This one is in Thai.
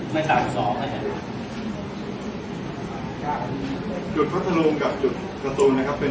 ไม่ตาม๒ไม่ตาม